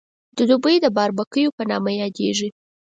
د دوبۍ باربکیو په نامه یادېږي.